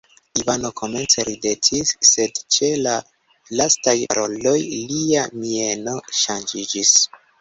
Ivano komence ridetis, sed ĉe la lastaj paroloj lia mieno ŝanĝiĝis.